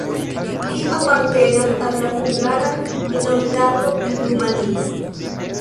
Li apartenas al la hungara minoritato en Rumanio.